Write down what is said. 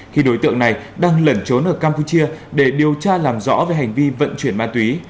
khi đối tượng này đang lẩn trốn ở campuchia để điều tra làm rõ về hành vi vận chuyển ma túy